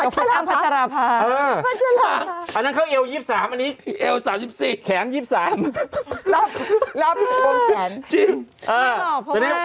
คราชลาภาพ